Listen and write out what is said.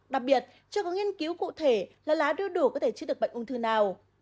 đặc biệt chưa có nghiên cứu cụ thể là lá chưa đủ có thể chế được bệnh ung thư nào